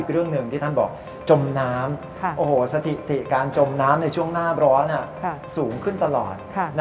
เรื่องหนึ่งที่ท่านบอกจมน้ำสถิติการจมน้ำในช่วงหน้าร้อนสูงขึ้นตลอด